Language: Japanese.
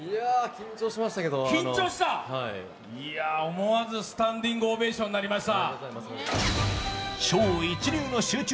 思わずスタンディングオベーションになりました。